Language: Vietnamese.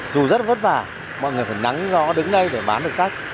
dù rất là vất vả mọi người phải nắng gió đứng đây để bán được sách